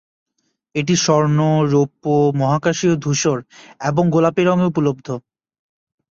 এটি স্বর্ণ, রৌপ্য, মহাকাশীয় ধূসর এবং গোলাপি রঙে উপলব্ধ।